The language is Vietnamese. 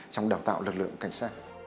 trong đào tạo lực lượng cảnh sát